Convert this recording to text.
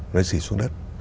nó rỉ xuống đất